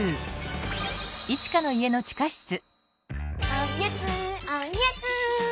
おやつおやつ！